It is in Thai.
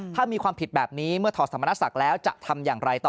ถ้ามีความผิดแบบนี้เมื่อถอดสมณศักดิ์แล้วจะทำอย่างไรต่อ